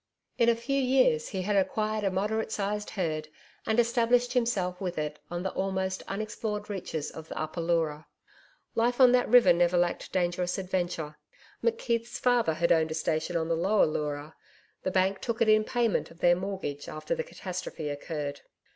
In a few years he had acquired a moderate sized herd and established himself with it on the almost unexplored reaches of the Upper Leura. Life on that river never lacked dangerous adventure. McKeith's father had owned a station on the Lower Leura the bank took it in payment of their mortgage after the catastrophe occurred.